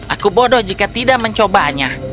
aku bodoh jika tidak mencobanya